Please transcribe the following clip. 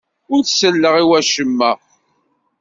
Ur selleɣ i wacemma.